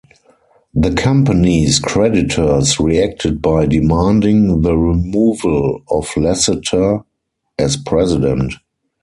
The company's creditors reacted by demanding the removal of Lassiter as president.